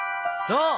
そう！